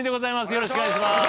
よろしくお願いします。